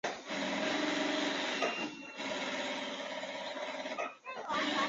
战后德岛市选择保留城下町时期的都市格局进行重建。